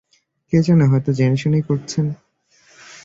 কে জানে হয়তো জেনেশুনেই করছেন।